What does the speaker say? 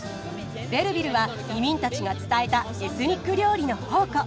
ベルヴィルは移民たちが伝えたエスニック料理の宝庫。